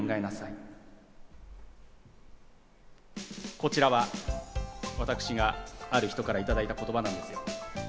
こちらは私がある人からいただいた言葉なんですよ。